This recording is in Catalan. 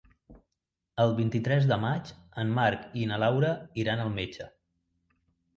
El vint-i-tres de maig en Marc i na Laura iran al metge.